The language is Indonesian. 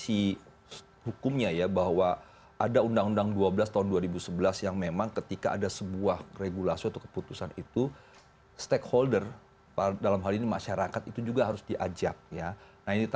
diturunkan dalam undang undang sjsn no empat puluh tahun dua ribu empat khususnya pasal dua puluh dua ayat satu